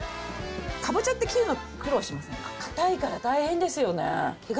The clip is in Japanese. かぼちゃって、硬いから大変ですよね。